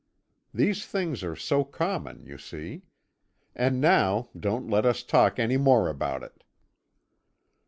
These things are so common, you see. And now don't let us talk any more about it.'